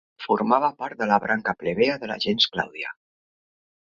Formava part de la branca plebea de la gens Clàudia.